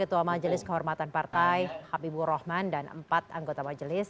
ketua majelis kehormatan partai habibur rahman dan empat anggota majelis